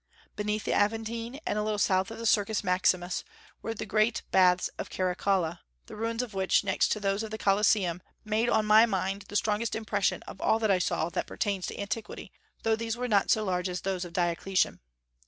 Beneath the Aventine, and a little south of the Circus Maximus, were the great Baths of Caracalla, the ruins of which, next to those of the Colosseum, made on my mind the strongest impression of all I saw that pertains to antiquity, though these were not so large as those of Diocletian.